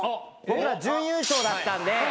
僕ら準優勝だったんで。